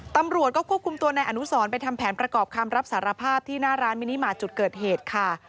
ตำรวจก็ควบคุมตัวนายอนุสรไปทำแผนประกอบคำรับสารภาพที่หน้าร้านมินิมาตรจุดเกิดเหตุค่ะ